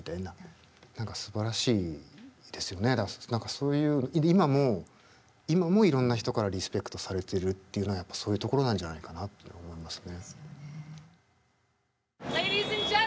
そういう今もいろんな人からリスペクトされてるっていうのはやっぱそういうところなんじゃないかなって思いますね。